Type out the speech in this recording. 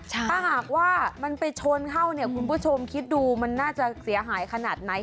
ถ้าหากว่ามันไปชนเข้าเนี่ยคุณผู้ชมคิดดูมันน่าจะเสียหายขนาดไหน